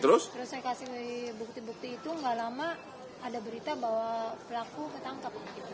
terus saya kasih bukti bukti itu gak lama ada berita bahwa pelaku ketangkep